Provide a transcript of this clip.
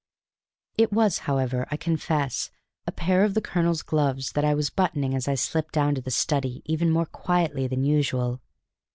It was, however, I confess, a pair of the colonel's gloves that I was buttoning as I slipped down to the study even more quietly than usual.